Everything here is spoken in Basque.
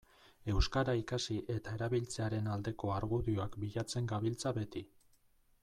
Euskara ikasi eta erabiltzearen aldeko argudioak bilatzen gabiltza beti.